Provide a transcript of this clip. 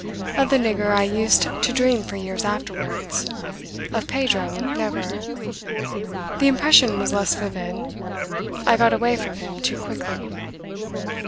Of the nigger I used to dream for years afterwards. Of Pedro never. The impression was less vivid. I got away from him too quickly.